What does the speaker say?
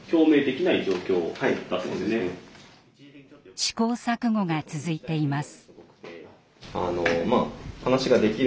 試行錯誤が続いています。